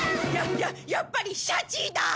やややっぱりシャチだ！